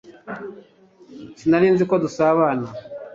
Sinari nzi ko dusabana